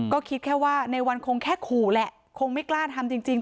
ก็คิดแค่ว่าในวันคงแค่ขู่แหละคงไม่กล้าทำจริง